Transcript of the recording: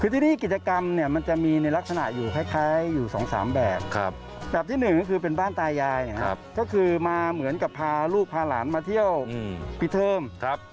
คือที่นี่กิจกรรมเนี่ยมันจะมีในลักษณะอยู่คล้ายอยู่๒๓แบบแบบที่หนึ่งก็คือเป็นบ้านตายายนะครับก็คือมาเหมือนกับพาลูกพาหลานมาเที่ยวพี่เทิม